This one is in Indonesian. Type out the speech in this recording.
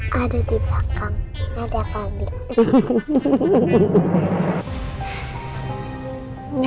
ada di belakang ada kambing